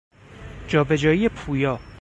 جابجایی پویا